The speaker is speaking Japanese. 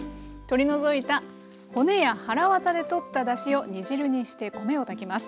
取り除いた骨やはらわたで取っただしを煮汁にして米を炊きます。